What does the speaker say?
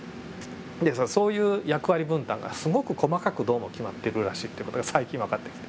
でそういう役割分担がすごく細かくどうも決まってるらしいっていう事が最近分かってきて。